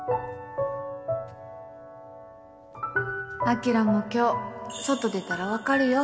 晶も今日外出たら分かるよ